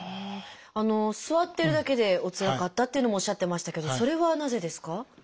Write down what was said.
あの座ってるだけでおつらかったっていうのもおっしゃってましたけどそれはなぜですか？